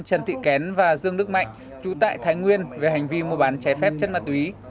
trần thị kén và dương đức mạnh chú tại thái nguyên về hành vi mua bán trái phép chất ma túy